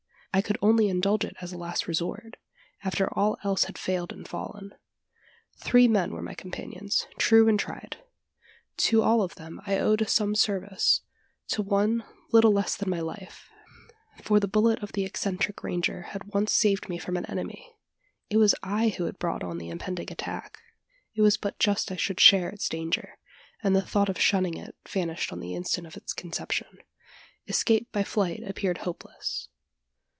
I could only indulge it as a last resort after all else had failed and fallen. Three men were my companions, true and tried. To all of them, I owed some service to one little less than my life for the bullet of the eccentric ranger had once saved me from an enemy. It was I who had brought on the impending attack. It was but just I should share its danger; and the thought of shunning it vanished on the instant of its conception. Escape by flight appeared hopeless.